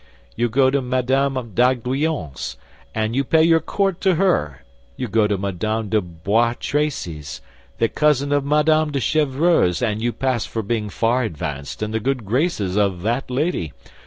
You go to Madame d'Aguillon's, and you pay your court to her; you go to Madame de Bois Tracy's, the cousin of Madame de Chevreuse, and you pass for being far advanced in the good graces of that lady.